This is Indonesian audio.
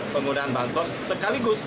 penggunaan bansos sekaligus